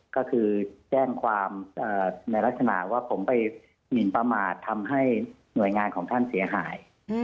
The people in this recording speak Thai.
ก็คือแจ้งความในลักษณะว่าผมไปหมินประมาททำให้หน่วยงานของท่านเสียหาย